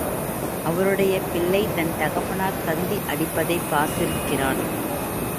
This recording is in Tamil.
அவருடைய பிள்ளை தன் தகப்பனார் தந்தி அடிப்பதைப் பார்த்திருக்கிறான்.